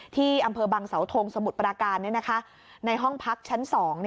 ที่อำเภอบังเสาทงสมุทรปราการในห้องพักชั้น๒